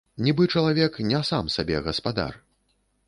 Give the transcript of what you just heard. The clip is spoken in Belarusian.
Нібы чалавек не сам сабе гаспадар.